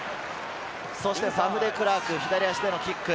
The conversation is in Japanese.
そしてデクラーク、左足でのキック。